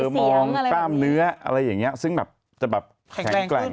มองคร่ามเนื้อซึ่งแบบแข็งแกร่ง